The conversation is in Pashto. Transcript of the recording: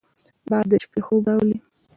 باد د شپې خوب راولي